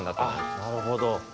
なるほど。